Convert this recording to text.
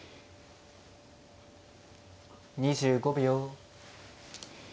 ２５秒。